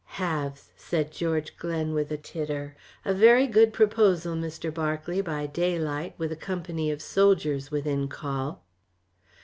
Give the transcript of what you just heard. "Halves," said George Glen with a titter. "A very good proposal, Mr. Berkeley, by daylight, with a company of soldiers within call."